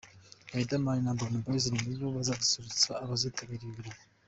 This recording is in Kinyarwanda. Riderman na Urban Boys nibo bazasusurutsa abazitabira ibi birori.